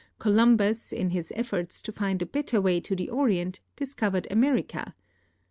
Columbus, in his efforts to find a better way to the Orient, discovered America.